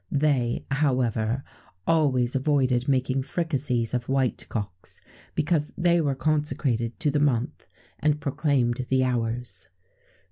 They, however, always avoided making fricassees of white cocks, because they were consecrated to the month, and proclaimed the hours.